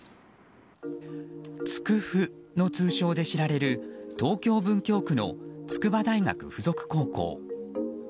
筑附の通称で知られる東京・文京区の筑波大学附属高校。